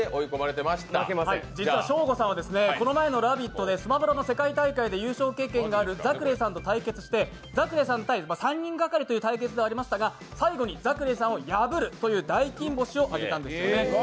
実はショーゴさんはこの前の「ラヴィット！」で「スマブラ」の世界大会で優勝経験のあるＺａｃｋｒａｙさんと対決してＺａｃｋｒａｙさんと３人がかりという対決ではありましたが最後にＺａｃｋｒａｙさんを破るという大金星を上げたんですよね。